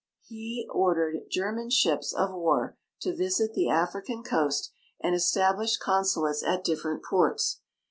He ordered German ships of war to visit the African coast, and estab lished consulates at different ports.